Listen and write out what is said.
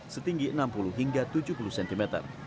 setinggi enam puluh hingga tujuh puluh cm